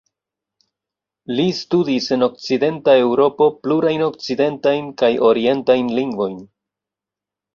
Li studis en Okcidenta Eŭropo plurajn okcidentajn kaj orientajn lingvojn.